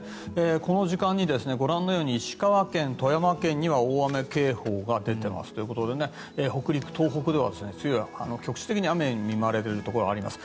この時間に石川県、富山県には大雨警報が出ていますということで北陸、東北では局地的に雨に見舞われているところがあります。